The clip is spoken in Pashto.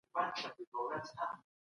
څېړنه باید له پیله تر پایه منظمه وي.